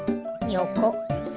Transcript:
よこ。